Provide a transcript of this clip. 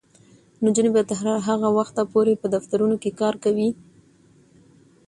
نجونې به تر هغه وخته پورې په دفترونو کې کار کوي.